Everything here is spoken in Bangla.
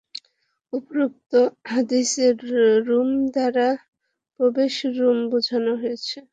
উপরোক্ত হাদীসে রূম দ্বারা প্রথম রূম বুঝানো হয়েছে।